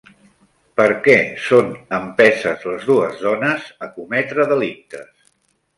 Per què són empeses les dues dones a cometre delictes?